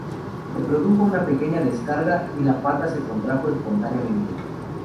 Se produjo una pequeña descarga, y la pata se contrajo espontáneamente.